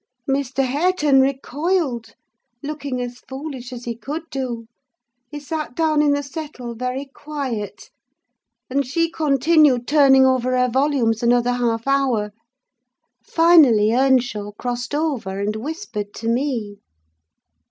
"Mr. Hareton recoiled, looking as foolish as he could do: he sat down in the settle very quiet, and she continued turning over her volumes another half hour; finally, Earnshaw crossed over, and whispered to me.